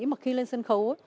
mà khi lên sân khấu